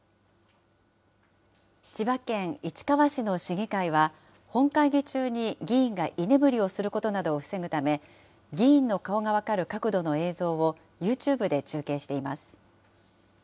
千葉県市川市の市議会は、本会議中に議員が居眠りをすることなどを防ぐため、議員の顔が分かる角度の映像をユーチューブで中継しています。